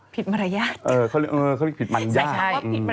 ผิดมรยาติใช่ค่ะว่าผิดมรยาติ